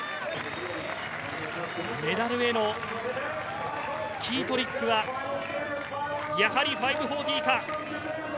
メダルへのキートリックは、やはり５４０か。